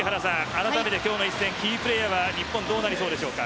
あらためて今日の一戦キープレーヤーは日本どうなりそうでしょうか。